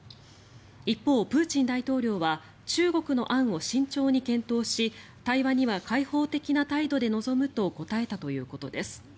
一方、プーチン大統領は中国の案を慎重に検討し対話には開放的な態度で臨むと答えたということです。